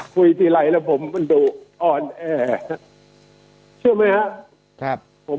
คุยที่หลายแล้วมันดูอ่อนแอเชื่อไหมครับ